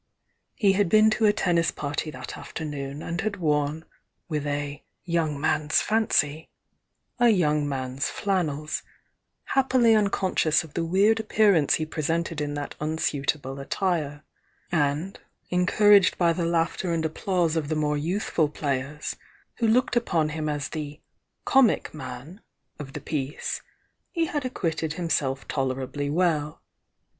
He had been to a tennis party that afternoon end had worn, with a "young man's fancy" a youug man's flannels, happily unconscious of the weird appearance he presented in that un suitable attire, — and, encouraged by the laughter and applause of the more youthful players, who looked upon him as the "comic man" of the piece, he had acquitted himself tolerably well.